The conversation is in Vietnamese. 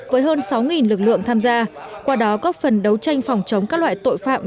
với hơn sáu lực lượng tham gia qua đó góp phần đấu tranh phòng chống các loại tội phạm